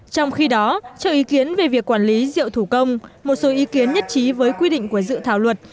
trong khi đó cho ý kiến về việc quản lý rượu thủ công một số ý kiến nhất trí với quy định của dự thảo luật